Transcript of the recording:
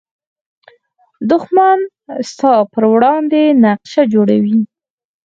دښمن ستا پر وړاندې نقشه جوړوي